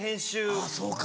あぁそうか。